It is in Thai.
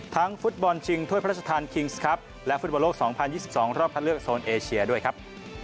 ทั้งฟุตบอลจริงถ้วยพระราชทานคิงส์ครับและฟุตบอลโลกสองพันยี่สิบสองรอบทันเลือกโซนเอเชียด้วยครับ